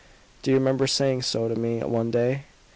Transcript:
Do you remember saying so to me, one day?"